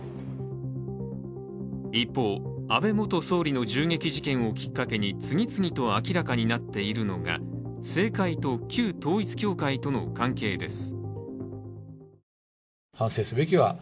一方、安倍元総理の銃撃事件をきっかけに次々と明らかになっているのが政界と旧統一教会との関係です。